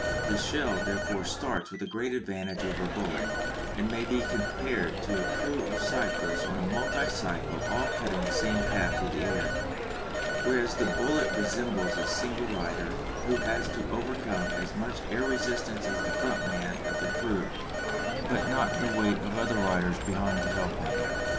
The shell therefore starts with a great advantage over the bullet, and may be compared to a "crew" of cyclists on a multicycle all cutting the same path through the air; whereas the bullet resembles a single rider, who has to overcome as much air resistance as the front man of the "crew" but has not the weight of other riders behind to help him.